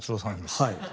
はい。